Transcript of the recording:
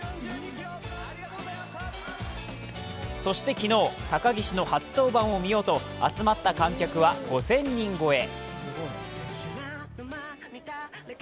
そして昨日、高岸の初登板を見ようと集まった観客は５０００人超え。